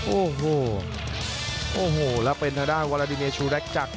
โอ้โหโอ้โหแล้วเป็นทางด้านวาลาดิเนชูแร็กจักร